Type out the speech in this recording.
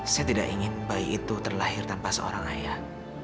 saya tidak ingin bayi itu terlahir tanpa seorang ayah